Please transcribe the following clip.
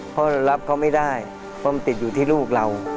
เพราะเรารับเขาไม่ได้เพราะมันติดอยู่ที่ลูกเรา